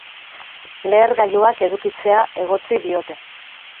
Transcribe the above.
Lehergailuak edukitzea egotzi diote.